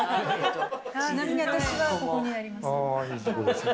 ちなみに私はここにあります。